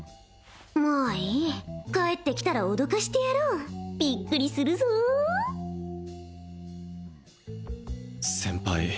まあいい帰ってきたら脅かしてやろうびっくりするぞ先輩